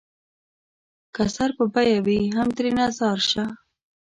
که سر په بيه وي هم ترېنه ځار شــــــــــــــــــه